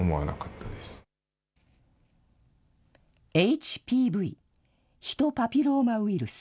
ＨＰＶ・ヒトパピローマウイルス。